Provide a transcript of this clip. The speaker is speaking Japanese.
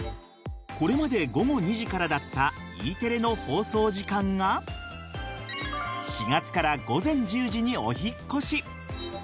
これまで午後２時からだったＥテレの放送時間が４月から午前１０時にお引っ越し。